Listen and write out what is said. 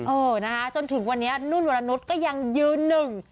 เออนะคะจนถึงวันนี้นุ่นวรนุษย์ก็ยังยืนหนึ่ง